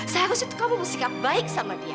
seharusnya kamu harus sikap baik sama dia